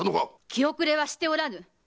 気後れはしておらぬ！